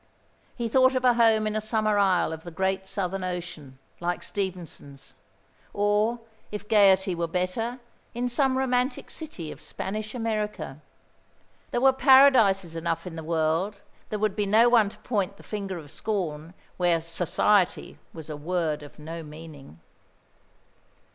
He thought of a home in a summer isle of the great southern ocean, like Stevenson's; or, if gaiety were better, in some romantic city of Spanish America. There were paradises enough in the world, there would be no one to point the finger of scorn, where "Society" was a word of no meaning.